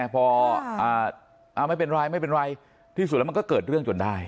พอไม่เป็นไรที่สุดแล้วมันก็เกิดเรื่องจนได้